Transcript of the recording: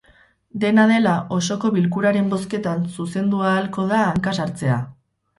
Dena dela, osoko bilkuraren bozketan zuzendu ahalko da hanka-sartzea.